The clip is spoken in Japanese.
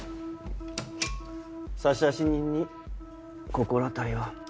差出人に心当たりは？